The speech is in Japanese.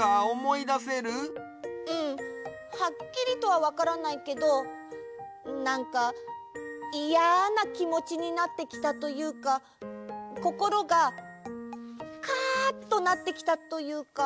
うん。はっきりとはわからないけどなんかイヤなきもちになってきたというかこころがカッとなってきたというか。